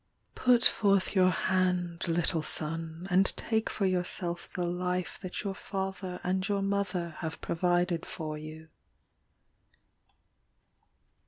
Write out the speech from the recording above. Put forth your hand, little son, And take for yourself the life That your father and your mother Have provided for you.